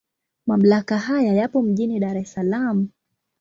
Mamlaka haya yapo mjini Dar es Salaam.